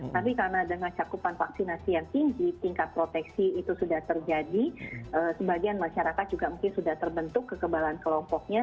tapi karena dengan cakupan vaksinasi yang tinggi tingkat proteksi itu sudah terjadi sebagian masyarakat juga mungkin sudah terbentuk kekebalan kelompoknya